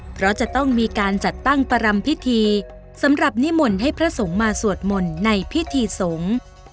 เพราะจะต้องมีการจัดตั้งประรำพิธีสำหรับนิมนต์ให้พระสงฆ์มาสวดมนต์ในพิธีสงฆ์